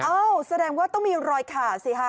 แสดงว่าต้องมีรอยขาดสิฮะ